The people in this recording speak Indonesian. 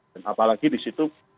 dan apalagi disitu